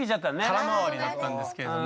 空回りだったんですけれども。